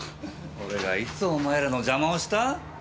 俺がいつお前らのジャマをした？